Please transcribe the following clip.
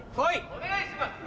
お願いします。